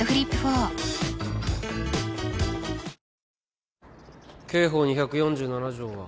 花王刑法２４７条は？